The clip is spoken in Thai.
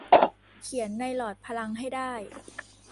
เขียนในหลอดพลังให้ได้